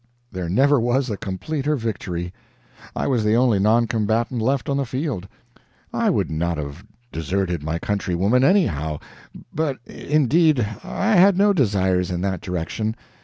There never was a completer victory; I was the only non combatant left on the field. I would not have deserted my countrywoman anyhow, but indeed I had no desires in that direction.